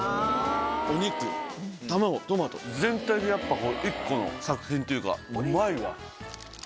お肉卵トマト全体で１個の作品というかうまいわ。